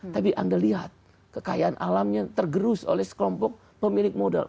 tapi anda lihat kekayaan alamnya tergerus oleh sekelompok pemilik modal